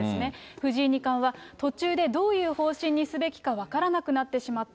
藤井二冠は途中でどういう方針にすべきか分からなくなってしまった。